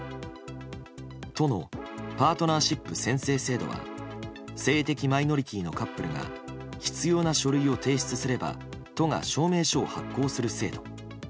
都のパートナーシップ宣誓制度は性的マイノリティーのカップルが必要な書類を提出すれば都が証明書を発行する制度。